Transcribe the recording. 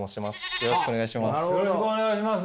よろしくお願いします。